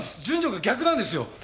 順序が逆なんですよ！